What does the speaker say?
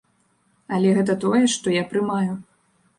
Але гэта тое, што я прымаю.